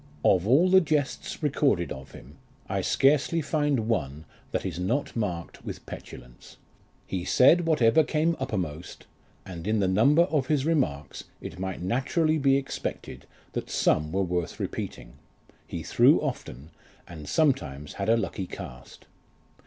Of all the jests recorded of him, I scarcely find one that is not marked with petulance : he said whatever came uppermost, and in the number of his remarks it might naturally be expected that some were worth repeating ; he threw often, and sometimes had a lucky cast.